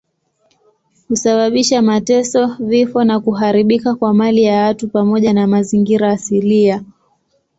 Husababisha mateso, vifo na kuharibika kwa mali ya watu pamoja na mazingira asilia.